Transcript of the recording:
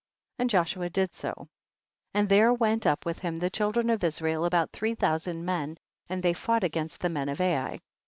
27. And Joshua did so, and there went up with him of the children of Israel about three thousand men, and they fought against the men of Ai.